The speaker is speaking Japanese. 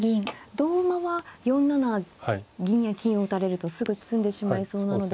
同馬は４七銀や金を打たれるとすぐ詰んでしまいそうなので。